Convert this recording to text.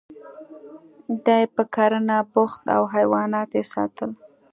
دی په کرنه بوخت و او حیوانات یې ساتل